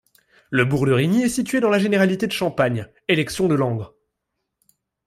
Le bourg de Rigny est situé dans la généralité de Champagne, élection de Langres.